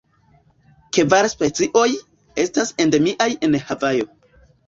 Kvar specioj, estas endemiaj en Havajo.